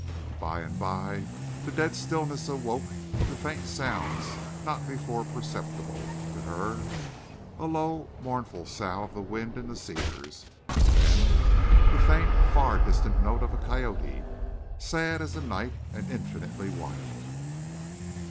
By and by the dead stillness awoke to faint sounds not before perceptible to her—a low, mournful sough of the wind in the cedars, then the faint far distant note of a coyote, sad as the night and infinitely wild.